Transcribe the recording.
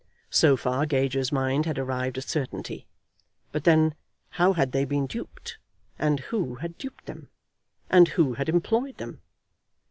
So far Gager's mind had arrived at certainty. But then how had they been duped, and who had duped them? And who had employed them?